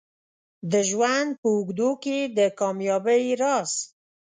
د ژوند په اوږدو کې د کامیابۍ راز